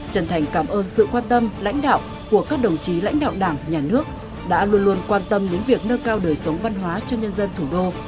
trần thành cảm ơn sự quan tâm lãnh đạo của các đồng chí lãnh đạo đảng nhà nước đã luôn luôn quan tâm đến việc nâng cao đời sống văn hóa cho nhân dân thủ đô